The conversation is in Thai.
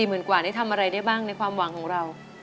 ๔๐๐๐๐บาทนี่ทำอะไรได้บ้างในความหวังของเรา